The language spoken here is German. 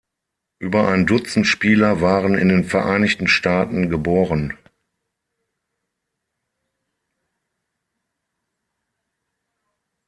Über ein Dutzend Spieler waren in den Vereinigten Staaten geboren.